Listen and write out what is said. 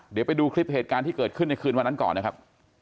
เดี๋ยวไปดูคลิปเหตุการณ์ที่เกิดขึ้นในคืนวันนั้นก่อนนะครับ